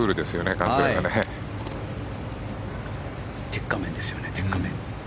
鉄仮面ですよね。